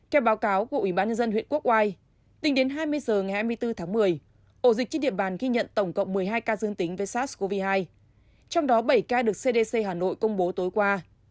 theo báo cáo của ubnd huyện quốc ngoài tính đến hai mươi h ngày hai mươi bốn tháng một mươi ổ dịch trên điện bàn ghi nhận tổng cộng một mươi hai ca dương tính với sars cov hai trong đó bảy ca được cdc hà nội công bố tối qua